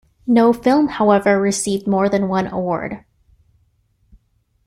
No film however received more than one award.